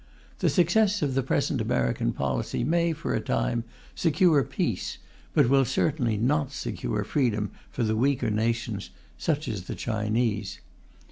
The success of the present American policy may, for a time, secure peace, but will certainly not secure freedom for the weaker nations, such as Chinese.